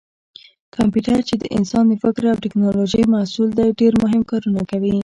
کمپیوټر چې د انسان د فکر او ټېکنالوجۍ محصول دی ډېر مهم کارونه کوي.